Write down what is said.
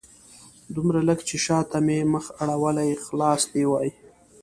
دومره لږ چې شاته مې مخ اړولی خلاص دې وای